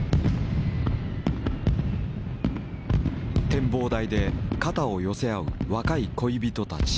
展望台で肩を寄せ合う若い恋人たち。